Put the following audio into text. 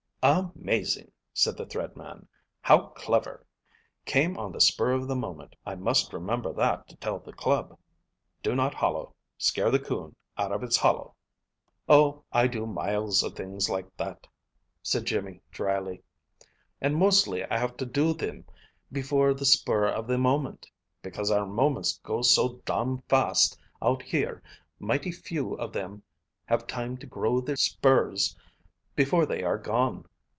"Amazing!" said the Thread Man. "How clever! Came on the spur of the moment. I must remember that to tell the Club. Do not hollo. Scare the coon out of its hollow!" "Oh, I do miles of things like that," said Jimmy dryly, "and mostly I have to do thim before the spur of the moment; because our moments go so domn fast out here mighty few of thim have time to grow their spurs before they are gone.